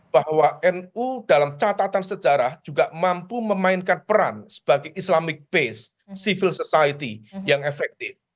bahwa nu dalam catatan sejarah juga mampu memainkan peran sebagai islamic based civil society yang efektif